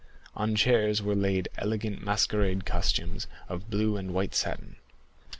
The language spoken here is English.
On chairs were laid elegant masquerade costumes of blue and white satin.